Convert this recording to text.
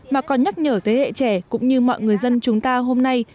mà còn nhắc nhở thế hệ trẻ cũng như mọi người dân chúng ta hôm nay